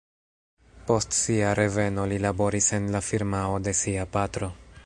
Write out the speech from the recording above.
Post sia reveno li laboris en la firmao de sia patro.